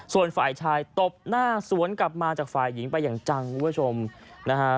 ส่วนฝ่ายชายตบหน้าสวนกลับมาจากฝ่ายหญิงไปอย่างจังคุณผู้ชมนะฮะ